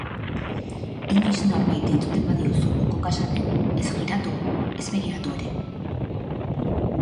Inoiz norbaiti entzuten badiozu Bucova esaten, ez jiratu, ez begiratu ere.